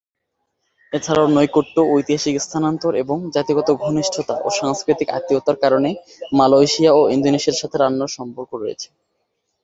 এছাড়াও নৈকট্য, ঐতিহাসিক স্থানান্তর এবং জাতিগত ঘনিষ্ঠতা ও সাংস্কৃতিক আত্মীয়তার কারণে মালয়েশিয়া ও ইন্দোনেশিয়ার সাথে রান্নার সম্পর্ক রয়েছে।